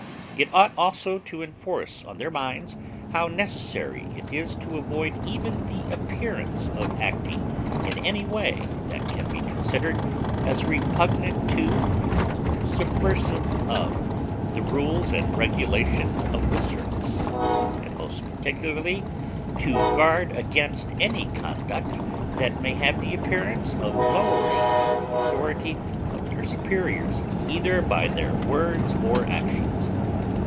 It ought also to enforce on their minds, how necessary it is to avoid even the appearance of acting in any way that can be considered as repugnant to, or subversive of, the rules and regulations of the service; and most particularly to guard against any conduct that may have the appearance of lowering the authority of their superiors, either by their words or actions.